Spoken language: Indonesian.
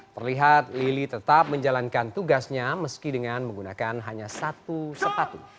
terlihat lili tetap menjalankan tugasnya meski dengan menggunakan hanya satu sepatu